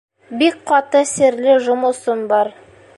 Бик ҡаты серле жомосом бар.